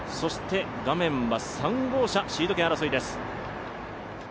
３号車、シード権争いです。